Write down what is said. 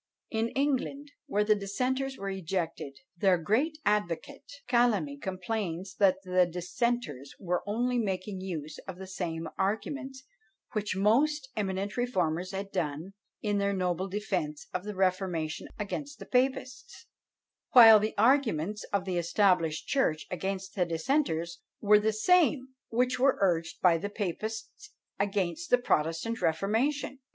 In England, where the dissenters were ejected, their great advocate Calamy complains that the dissenters were only making use of the same arguments which the most eminent reformers had done in their noble defence of the reformation against the papists; while the arguments of the established church against the dissenters were the same which were urged by the papists against the protestant reformation!